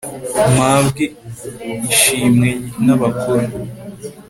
mpabwe ishimwe n'abakuru